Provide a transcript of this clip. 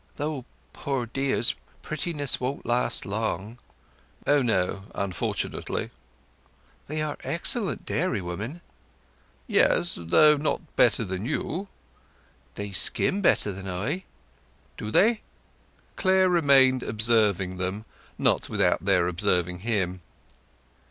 "Though, poor dears, prettiness won't last long!" "O no, unfortunately." "They are excellent dairywomen." "Yes: though not better than you." "They skim better than I." "Do they?" Clare remained observing them—not without their observing him.